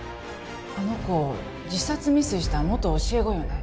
あの子自殺未遂した元教え子よね？